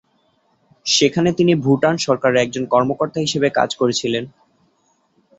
সেখানে তিনি ভুটান সরকারের একজন কর্মকর্তা হিসেবে কাজ করেছিলেন।